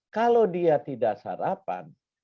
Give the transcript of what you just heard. kalau dia tidak sarapan